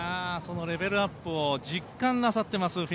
レベルアップを実感なさってます